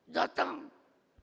datang pak rusmin